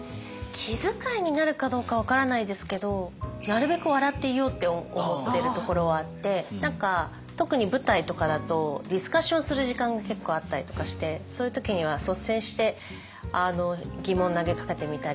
気づかいになるかどうか分からないですけどなるべく笑っていようって思ってるところはあって何か特に舞台とかだとディスカッションする時間が結構あったりとかしてそういう時には率先して疑問を投げかけてみたり。